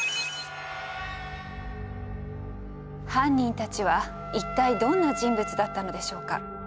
犯人たちは一体どんな人物だったのでしょうか？